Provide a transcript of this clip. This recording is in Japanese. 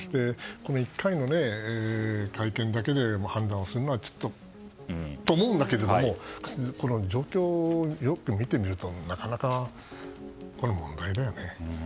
そして、１回の会見で全てを判断するのはうーんと思うんだけど状況をよく見てみるとなかなか問題だよね。